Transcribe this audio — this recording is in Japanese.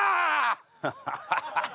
ハハハハ！